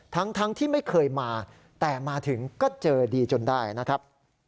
ทั้งที่ไม่เคยมาแต่มาถึงก็เจอดีจนได้นะครับ